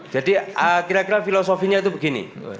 jadi kira kira filosofinya itu begini